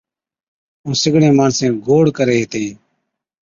ائُون سِگڙي ماڻسين گھور ڪري ھِتين